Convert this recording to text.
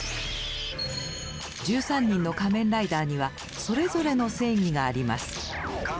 １３人の仮面ライダーにはそれぞれの正義があります。